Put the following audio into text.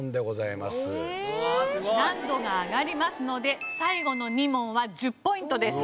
難度が上がりますので最後の２問は１０ポイントです。